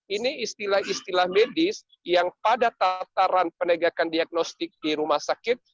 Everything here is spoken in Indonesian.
ini istilah istilah medis yang pada tataran penegakan diagnostik di rumah sakit